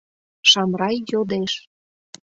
— Шамрай йодеш.